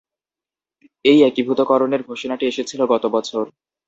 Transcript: এই একীভূতকরণের ঘোষণাটি এসেছিল গত বছর।